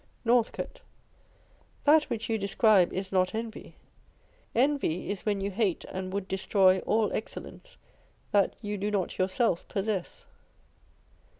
Northcote. That which yoiudescribe is not envy. Envy is when you hate and would destroy all excellence that you do not yourself possess.